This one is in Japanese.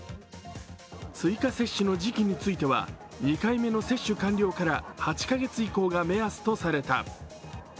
追加接種の時期については２回目の接種完了から８カ月以降が目安とされた。